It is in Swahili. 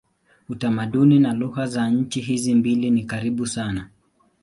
Utamaduni na lugha za nchi hizi mbili ni karibu sana.